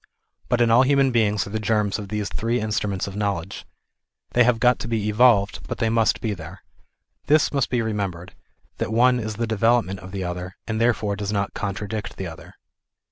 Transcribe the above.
But in all human beings are the germs of these three in struments of knowledge. They have got to be evolved, but they must be there. This must be remembered ŌĆö that one is the development of the other, and therefore does not contradict the other.